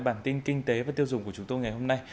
bản tin kinh tế và tiêu dùng của chúng tôi ngày hôm nay